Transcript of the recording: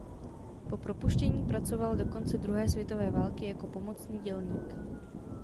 Po propuštění pracoval do konce druhé světové války jako pomocný dělník.